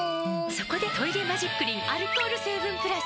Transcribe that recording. そこで「トイレマジックリン」アルコール成分プラス！